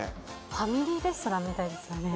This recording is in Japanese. ファミリーレストランみたいですよね。